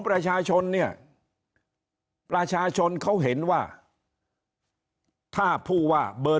ประชาชนเนี่ยประชาชนเขาเห็นว่าถ้าผู้ว่าเบอร์